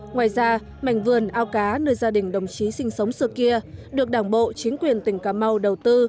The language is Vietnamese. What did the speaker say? ngoài ra mảnh vườn ao cá nơi gia đình đồng chí sinh sống xưa kia được đảng bộ chính quyền tỉnh cà mau đầu tư